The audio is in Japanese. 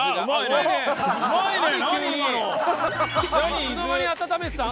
いつの間に温めてたの？